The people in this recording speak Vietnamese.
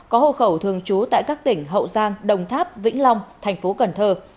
có hộ khẩu thường trú tại các tỉnh hậu giang đồng tháp vĩnh long thành phố cần thơ